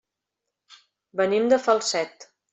Venim de Falset.